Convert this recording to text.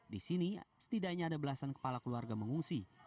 di sini setidaknya ada belasan kepala keluarga mengungsi